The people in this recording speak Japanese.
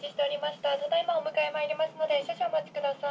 ただ今お迎えにまいりますので少々お待ちください」